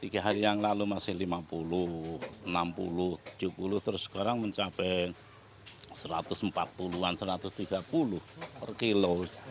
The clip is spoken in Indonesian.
tiga hari yang lalu masih lima puluh enam puluh tujuh puluh terus sekarang mencapai satu ratus empat puluh an rp satu ratus tiga puluh per kilo